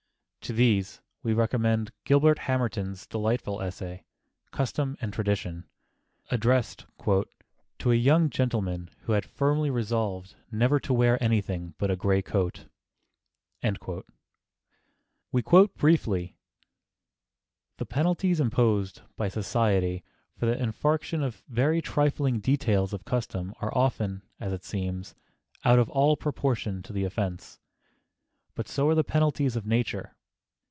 To these we recommend Gilbert Hamerton's delightful essay, Custom and Tradition, addressed "To a young gentleman who had firmly resolved never to wear anything but a gray coat." We quote briefly: "The penalties imposed by society for the infraction of very trifling details of custom are often, as it seems, out of all proportion to the offense; but so are the penalties of nature....